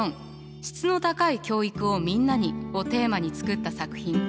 質の高い教育をみんなにをテーマに作った作品。